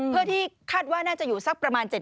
เพื่อที่คาดว่าน่าจะอยู่สักประมาณ๗๐